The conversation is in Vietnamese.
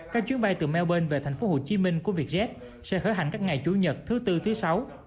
các chuyến bay từ melbourne về thành phố hồ chí minh của việt jet sẽ khởi hành các ngày chủ nhật thứ tư thứ sáu